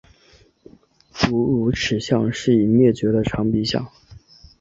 古乳齿象是已灭绝的长鼻目。